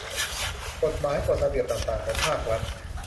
กฎหมาย กฎระเบียบต่างต่าง ของภาครัฐ